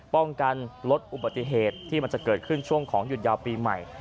ป้องกันลดอุบัติเหตุที่มันจะเกิดขึ้นช่วงของหยุดยาวปีใหม่